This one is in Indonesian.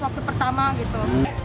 waktu pertama gitu